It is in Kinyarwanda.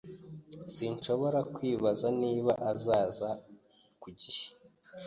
Sinshobora kwibaza niba azaza ku gihe.